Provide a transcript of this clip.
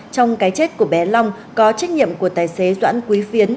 trong cái chết của bé long có trách nhiệm của tài xế doãn quý phiến